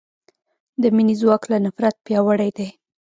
د مینې ځواک له نفرت پیاوړی دی.